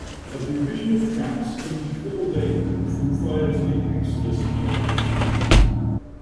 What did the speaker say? Of the original tracks, only four date from prior to the "Exodus" album.